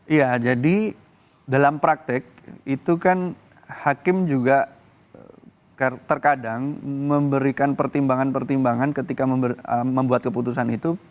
iya jadi dalam praktek itu kan hakim juga terkadang memberikan pertimbangan pertimbangan ketika membuat keputusan itu